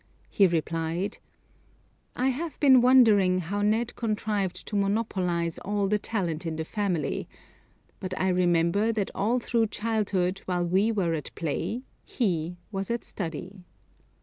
He replied: "I have been wondering how Ned contrived to monopolize all the talent in the family; but I remember that all through childhood, while we were at play, he was at study."